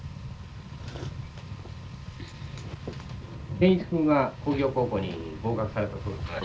健一君が工業高校に合格されたそうですね。